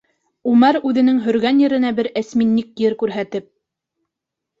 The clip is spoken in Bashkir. Үмәр үҙенең һөргән еренән бер әсминник ер күрһәтеп: